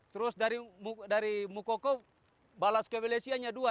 terus dari mokoko balas ke velesi hanya dua